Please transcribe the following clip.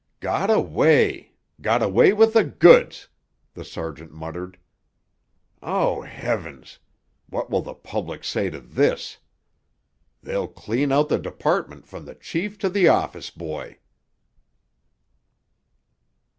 "Got away—got away with th' goods," the sergeant muttered. "Oh, heavens! What will th' public say to this? They'll clean out the department from the chief to th' office boy!"